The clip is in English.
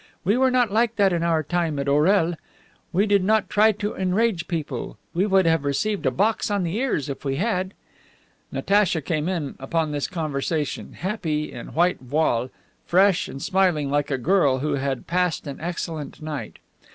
We were not like that in our time, at Orel. We did not try to enrage people. We would have received a box on the ears if we had." Natacha came in upon this conversation, happy, in white voile, fresh and smiling like a girl who had passed an excellent night.